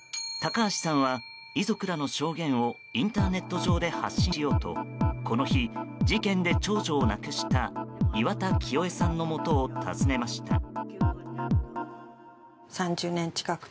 高橋さんは遺族らの証言をインターネット上で発信しようとこの日、事件で長女を亡くした岩田キヨエさんのもとを訪ねました。